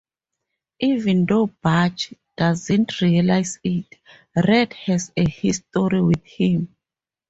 Even though Butch doesn't realize it, Red has a history with him.